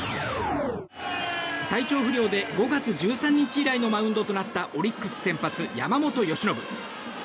体調不良で５月１３日以来のマウンドとなったオリックス先発、山本由伸。